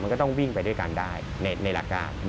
มันก็ต้องวิ่งไปด้วยกันได้ในหลักการ